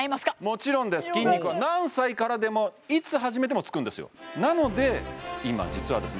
もちろんです筋肉は何歳からでもいつ始めてもつくんですよなので今実はですね